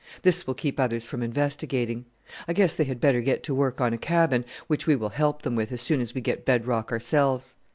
This will keep others from investigating. I guess they had better get to work on a cabin, which we will help them with as soon as we get bed rock ourselves.